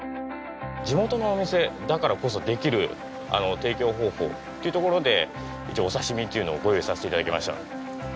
地元のお店だからこそできる提供方法というところで一応お刺し身っていうのをご用意させて頂きました。